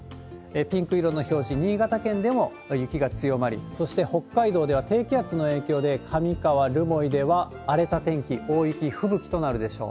ピンク色の表示、新潟県でも雪が強まり、そして、北海道では低気圧の影響で上川、留萌では荒れた天気、大雪、吹雪となるでしょう。